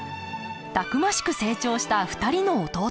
たくましく成長した２人の弟。